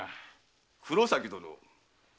黒崎殿。